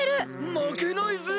まけないぜ！